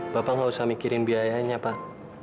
bapak nggak usah mikirin biayanya pak